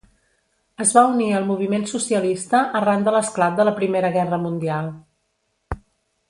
Es va unir al moviment socialista arran de l'esclat de la Primera Guerra Mundial.